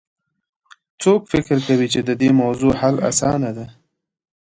څوک فکر کوي چې د دې موضوع حل اسانه ده